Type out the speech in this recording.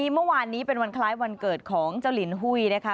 เมื่อวานนี้เป็นวันคล้ายวันเกิดของเจ้าลินหุ้ยนะคะ